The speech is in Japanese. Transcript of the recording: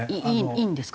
いいんですか？